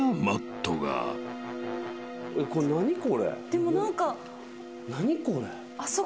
でも何か。